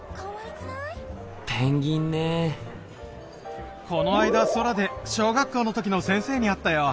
ペンギンねこの間空で小学校の時の先生に会ったよ。